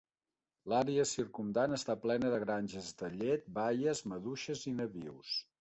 L'àrea circumdant està plena de granges de llet, baies, maduixes i nabius.